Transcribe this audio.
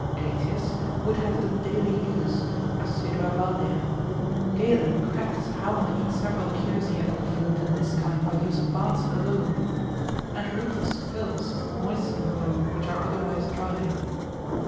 Aetius would have them daily used, assidua balnea, Tetra. 2. sect. 2. c. 9. Galen cracks how many several cures he hath performed in this kind by use of baths alone, and Rufus pills, moistening them which are otherwise dry.